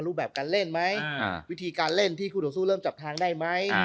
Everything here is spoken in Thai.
รูปแบบการเล่นไหมวิธีการเล่นที่คู่ต่อสู้เริ่มจับทางได้ไหม